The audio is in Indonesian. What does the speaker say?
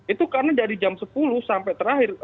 itu karena dari jam sepuluh sampai terakhir